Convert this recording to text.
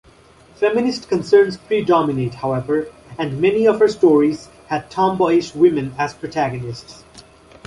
Feminist concerns predominate, however, and many of her stories had tomboyish women as protagonists.